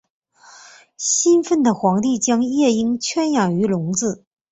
兴奋的皇帝将夜莺圈养于笼子。